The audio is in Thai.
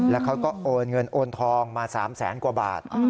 แล้วเขาก็โอนเงินโอนทองมา๓แสนกว่าบาท